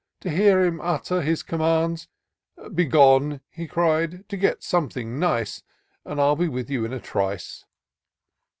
To hear him utter his commands. " Be gone !" he cried, " get something nice, And I'll be with you in a trice."